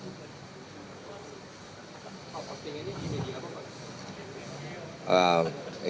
oh postingannya di media apa pak